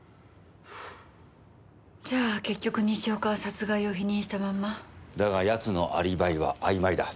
じゃあ結局西岡は殺害を否認したまんま？だが奴のアリバイはあいまいだ。